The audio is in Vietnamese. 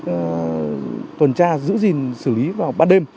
các tuần tra giữ gìn xử lý vào ban đêm